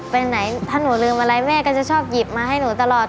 ไปไหนถ้าหนูลืมอะไรแม่ก็จะชอบหยิบมาให้หนูตลอด